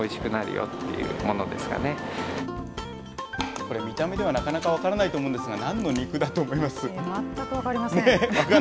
これ、見た目ではなかなか分からないと思うんですが、なんの肉だと思い全く分かりません。